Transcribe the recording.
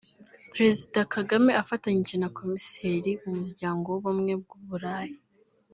Perezida Kagame afatanyije na Komiseri mu Muryango w’Ubumwe bw’u Burayi